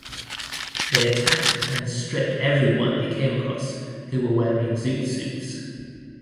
They attacked and stripped everyone they came across who were wearing zoot suits.